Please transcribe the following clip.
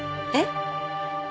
えっ？